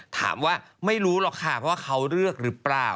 ถามว่าไม่รู้หรอกค่ะเพราะว่าเขาเลือกหรือเปล่า